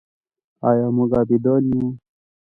آیا موږ عابدان یو؟